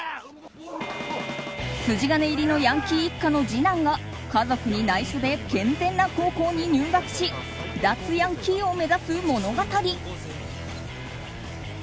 筋金入りのヤンキー一家の次男が家族に内緒で健全な高校に入学し脱ヤンキーを目指す物語。